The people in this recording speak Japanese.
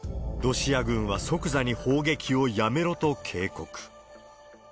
ロシア軍は即座に砲撃をやめろと警告。